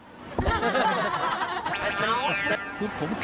ผมเก่าแต่พูดขึ้น